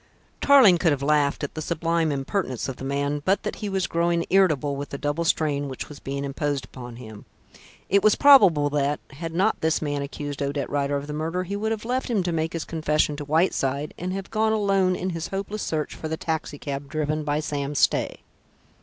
Tarling could have laughed at the sublime impertinence of the man, but that he was growing irritable with the double strain which was being imposed upon him. It was probable that, had not this man accused Odette Rider of the murder, he would have left him to make his confession to Whiteside, and have gone alone in his hopeless search for the taxicab driven by Sam Stay.